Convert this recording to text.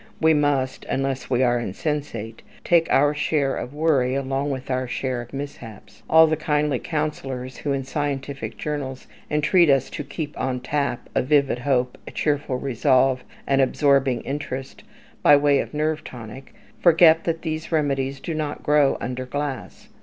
We must unless we are insensate take our share of worry along with our share of mishaps. All the kindly counsellors who, in scientific journals, entreat us to keep on tap "a vivid hope, a cheerful resolve, an absorbing interest," by way of nerve tonic, forget that these remedies do not grow under glass.